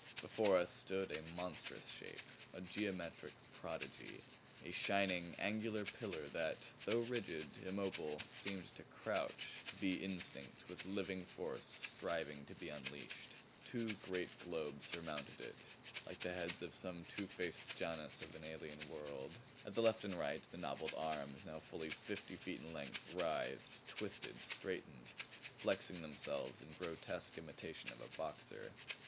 Before us stood a monstrous shape; a geometric prodigy. A shining angled pillar that, though rigid, immobile, seemed to crouch, be instinct with living force striving to be unleashed. Two great globes surmounted it like the heads of some two faced Janus of an alien world. At the left and right the knobbed arms, now fully fifty feet in length, writhed, twisted, straightened; flexing themselves in grotesque imitation of a boxer.